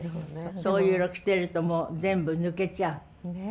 そういう色着てるともう全部抜けちゃう。